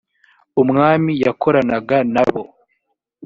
umwami yakoranaga na bo